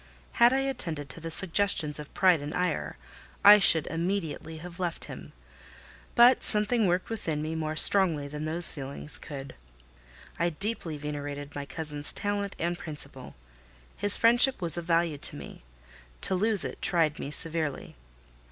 Had I attended to the suggestions of pride and ire, I should immediately have left him; but something worked within me more strongly than those feelings could. I deeply venerated my cousin's talent and principle. His friendship was of value to me: to lose it tried me severely.